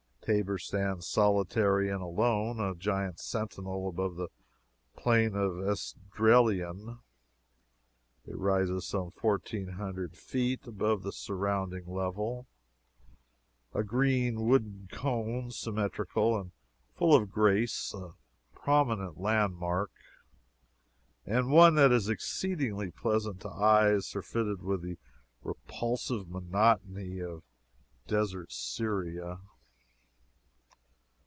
Tabor stands solitary and alone, a giant sentinel above the Plain of Esdraelon. It rises some fourteen hundred feet above the surrounding level, a green, wooden cone, symmetrical and full of grace a prominent landmark, and one that is exceedingly pleasant to eyes surfeited with the repulsive monotony of desert Syria.